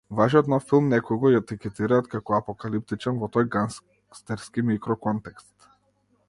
Вашиот нов филм некои го етикетираат како апокалиптичен во тој гангстерски микроконтекст.